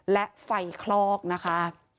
และไฟคลอกนะคะ